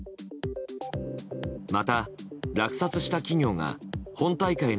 また、落札した企業が本大会の